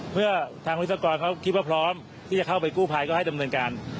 เมื่อทางวิศวกรเขาคิดว่าพร้อมที่จะเข้าไปกู้ภัยก็ให้ดำเนินการ